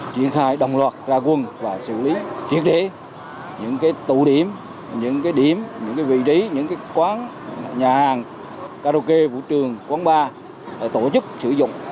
triển khai đồng loạt ra quân và xử lý triệt để những cái tụ điểm những cái điểm những cái vị trí những cái quán nhà hàng karaoke vũ trường quán bar tổ chức sử dụng